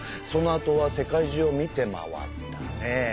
そのあとは世界じゅうを見て回ったね。